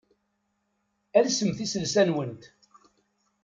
Alsemt iselsa-nwent.